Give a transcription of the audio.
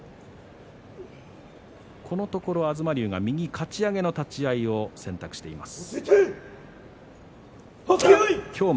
このところ東龍が右かち上げの立ち合いを選択しています。